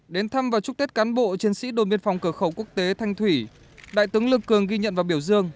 đến thăm và chúc tết cán bộ chiến sĩ đồn biên phòng cửa khẩu quốc tế thanh thủy đại tướng lương cường ghi nhận và biểu dương